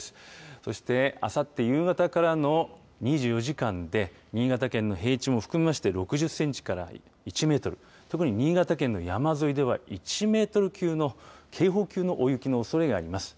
そしてあさって夕方からの２４時間で、新潟県の平地も含めまして、６０センチから１メートル、特に新潟県の山沿いでは１メートル級の、警報級の大雪のおそれがあります。